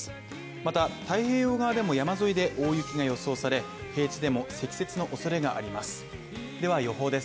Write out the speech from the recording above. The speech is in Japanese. また、太平洋側でも山沿いで大雪が予想され、平地でも積雪のおそれがあります。